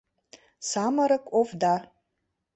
Самырык овда.